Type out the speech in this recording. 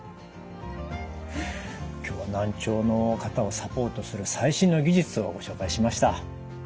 今日は難聴の方をサポートする最新の技術をご紹介しました。